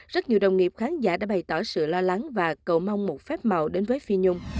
rất nhiều đồng nghiệp khán giả đã bày tỏ sự lo lắng và cầu mong một phép màu đến với phi nhung